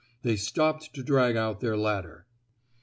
They stopped to drag out their ladder.